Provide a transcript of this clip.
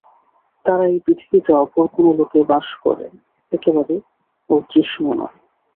তারা এই পৃথিবীতে অপর কোন লোকে বাস করে, একেবারে অদৃশ্যও নয়।